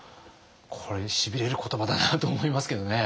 これしびれる言葉だなと思いますけどね。